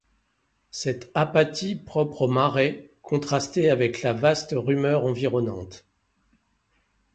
Cette apathie, propre au Marais, contrastait avec la vaste rumeur environnante.